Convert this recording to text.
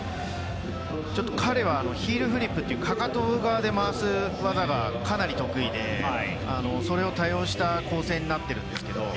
彼はヒールフリップというかかと側で回す技がかなり得意でそれを多用した構成になっているんですけど。